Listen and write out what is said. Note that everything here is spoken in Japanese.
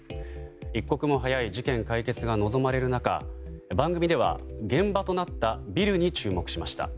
一刻も早い事件解決が望まれる中番組では、現場となったビルに注目しました。